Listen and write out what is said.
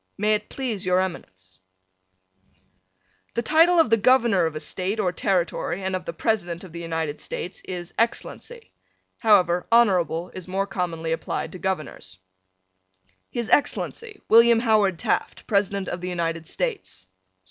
May it please your Eminence: The title of the Governor of a State or territory and of the President of the United States is Excellency. However, Honorable is more commonly applied to Governors: His Excellency, William Howard Taft, President of the United States.